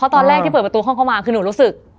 ที่เปิดประตูเข้ามาคือหนูรู้สึก